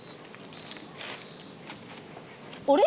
あれ？